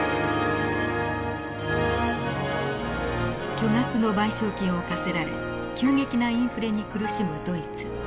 巨額の賠償金を課せられ急激なインフレに苦しむドイツ。